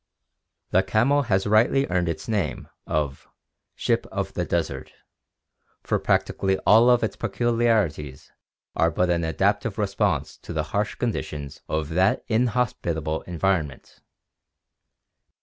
The camel has rightly earned its name of "ship of the desert," for practically all of its peculiarities are but an adaptive response to the harsh conditions of that inhospitable environment.